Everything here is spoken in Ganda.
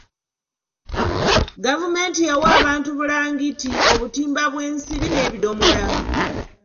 Gavumenti yawa abantu bulangiti, obutimba bw'ensiri n'ebidomola.